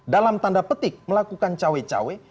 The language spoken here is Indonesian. dalam tanda petik melakukan cawe cawe